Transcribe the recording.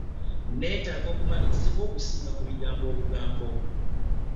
nneetaaga okumatizibwa okusinga ku bigambo obugambo.